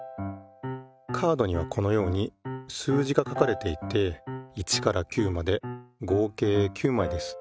カードにはこのように数字が書かれていて１から９まで合計９まいです。